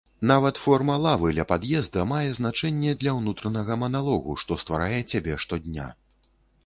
Нават форма лавы ля пад'езда мае значэнне для ўнутранага маналогу, што стварае цябе штодня.